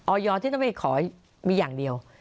ที่ต้องไปขอมีอย่างเดียว